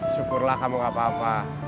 syukurlah kamu gak apa apa